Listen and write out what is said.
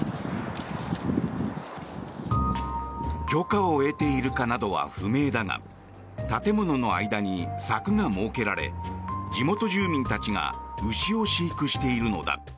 許可を得ているかなどは不明だが建物の間に柵が設けられ地元住民たちが牛を飼育しているのだ。